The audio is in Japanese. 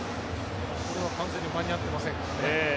これは完全に間に合ってませんからね。